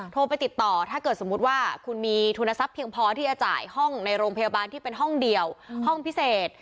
โทรไปติดต่อถ้าเกิดสมมุติว่าคุณมีทุนทรัพย์เพียงพอที่จะจ่ายห้องในโรงพยาบาลที่เป็นห้องเดียวห้องพิเศษ